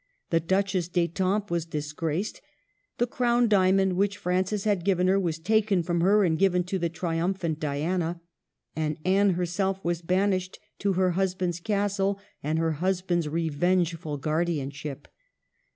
The Duchess d'Etampes was disgraced ; the crown diamond which Francis had given her was taken from her and given to the triumphant Diana, and Anne herself was banished to her husband's castle and her husband's revengeful guardian ship.